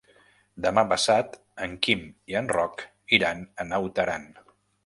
Demà passat en Quim i en Roc iran a Naut Aran.